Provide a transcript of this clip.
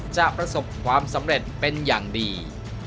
จะประสบความสำเร็จเป็นอย่างดี